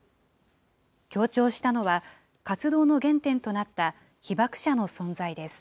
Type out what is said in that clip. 強調したのは、活動の原点となった被爆者の存在です。